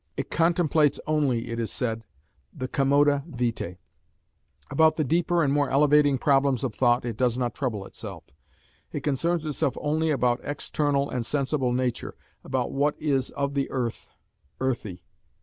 It contemplates only, it is said, the "commoda vitæ;" about the deeper and more elevating problems of thought it does not trouble itself. It concerns itself only about external and sensible nature, about what is "of the earth, earthy."